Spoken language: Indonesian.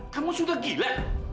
kamu sudah gila